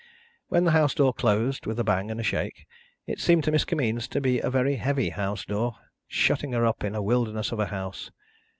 When the house door closed with a bang and a shake, it seemed to Miss Kimmeens to be a very heavy house door, shutting her up in a wilderness of a house.